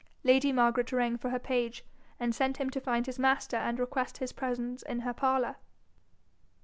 Lady Margaret rang for her page, and sent him to find his master and request his presence in her parlour.